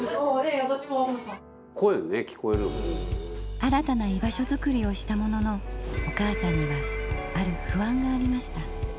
新たな居場所作りをしたもののお母さんにはある不安がありました。